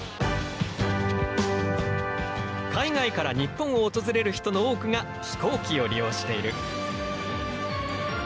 海外から日本を訪れる人の多くが飛行機を利用している。